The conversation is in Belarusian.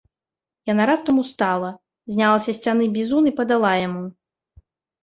Яна раптам устала, зняла са сцяны бізун і падала яму.